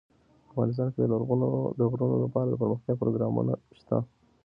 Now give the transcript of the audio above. افغانستان کې د غرونه لپاره دپرمختیا پروګرامونه شته.